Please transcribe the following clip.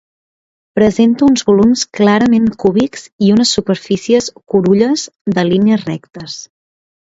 Presenta uns volums clarament cúbics i unes superfícies curulles de línies rectes.